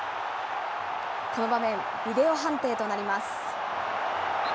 この場面、ビデオ判定となります。